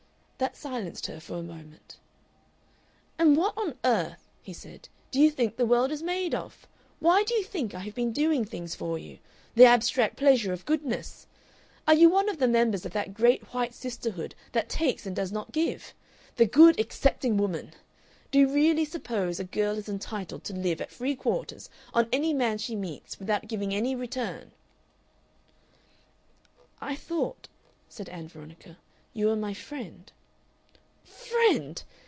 That silenced her for a moment. "And what on earth," he said, "do you think the world is made of? Why do you think I have been doing things for you? The abstract pleasure of goodness? Are you one of the members of that great white sisterhood that takes and does not give? The good accepting woman! Do you really suppose a girl is entitled to live at free quarters on any man she meets without giving any return?" "I thought," said Ann Veronica, "you were my friend." "Friend!